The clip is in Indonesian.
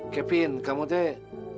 kevin kamu tuh